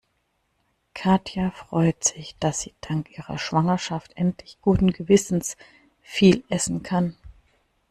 Katja freut sich, dass sie dank ihrer Schwangerschaft endlich guten Gewissens viel essen kann.